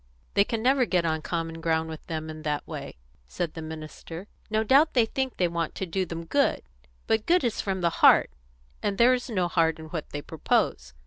"They can never get on common ground with them in that way," said the minister. "No doubt they think they want to do them good; but good is from the heart, and there is no heart in what they propose.